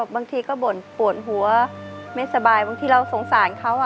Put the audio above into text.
บางทีก็บ่นปวดหัวไม่สบายบางทีเราสงสารเขา